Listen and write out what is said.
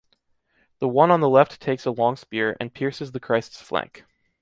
The one on the left takes a long spear, and pierces the Christ’s flank.